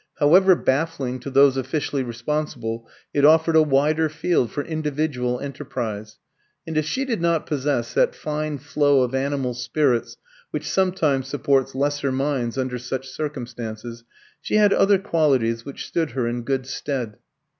However baffling to those officially responsible, it offered a wider field for individual enterprise; and if she did not possess that fine flow of animal spirits which sometimes supports lesser minds under such circumstances, she had other qualities which stood her in good stead.